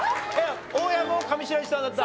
大家も上白石さんだった？